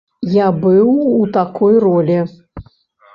Я быў у такой ролі.